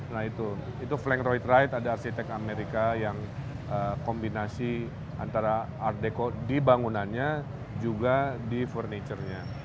nah itu itu flangroid wright ada arsitek amerika yang kombinasi antara art dekor di bangunannya juga di furniture nya